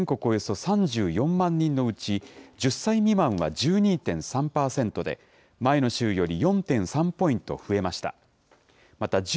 およそ３４万人のうち、１０歳未満は１２．３％で、前の週より４．３ポイント増えました。